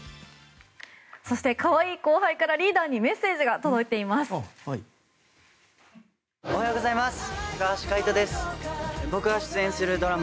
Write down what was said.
そして、可愛い後輩からリーダーにメッセージが届いています。